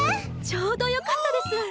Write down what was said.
ちょうどよかったです。